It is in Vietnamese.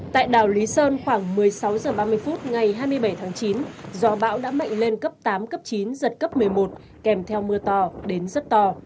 tại đảo lý sơn khoảng một mươi sáu h ba mươi phút ngày hai mươi bảy tháng chín gió bão đã mạnh lên cấp tám cấp chín giật cấp một mươi một kèm theo mưa to đến rất to